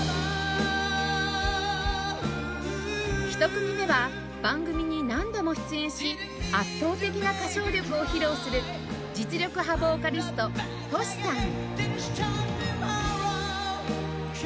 １組目は番組に何度も出演し圧倒的な歌唱力を披露する実力派ヴォーカリスト Ｔｏｓｈｌ さん